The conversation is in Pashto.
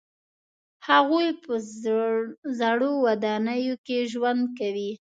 هغوی په زړو ودانیو کې ژوند کوي.